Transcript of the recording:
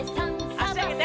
あしあげて！